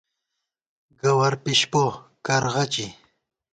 گوَرپِشپو/ کرغَچی